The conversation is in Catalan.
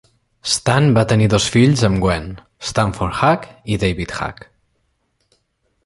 Stan va tenir dos fills amb Gwen: Stanford Hack i David Hack.